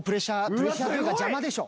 プレッシャーというか邪魔でしょ。